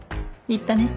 言ったね。